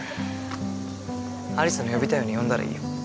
有栖の呼びたいように呼んだらいいよ